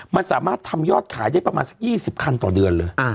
มันสามารถทำยอดขายได้ประมาณสัก๒๐คันต่อเดือนเลย